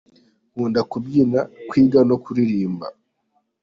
Nkunda kubyina, kwiga no kuririmba.